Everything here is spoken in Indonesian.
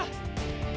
aslinya udah va